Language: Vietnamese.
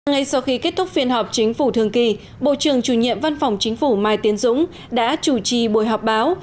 ngay sau khi kết thúc phiên họp chính phủ thường kỳ bộ trưởng chủ nhiệm văn phòng chính phủ mai tiến dũng đã chủ trì buổi họp báo